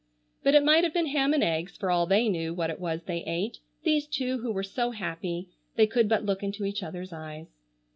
But it might have been ham and eggs for all they knew what it was they ate, these two who were so happy they could but look into each other's eyes.